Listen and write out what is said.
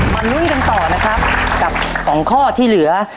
ลุ้นกันต่อนะครับกับสองข้อที่เหลือ